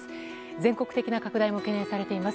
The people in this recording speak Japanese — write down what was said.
全国的な拡大も懸念されています。